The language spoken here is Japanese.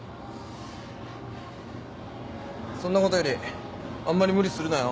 そんなことよりあんまり無理するなよ